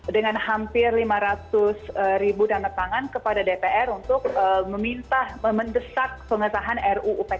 dengan hampir lima ratus ribu dana tangan kepada dpr untuk meminta mendesak pengesahan ruu pks